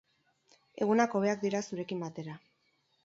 Egunak hobeak dira zurekin batera.